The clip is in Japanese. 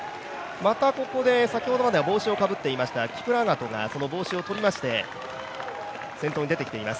ここで先ほどまで帽子をかぶっていましたキプラガトがその帽子を取りまして、先頭に出てきています。